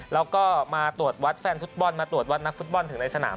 แล้วก็มาตรวจวัดแฟนฟุตบอลมาตรวจวัดนักฟุตบอลถึงในสนาม